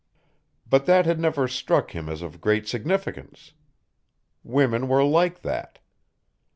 But that had never struck him as of great significance. Women were like that.